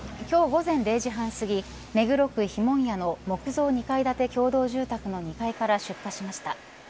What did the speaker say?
今日午前０時半すぎ目黒区碑文谷の木造２階建て共同自宅の二階から出火しました。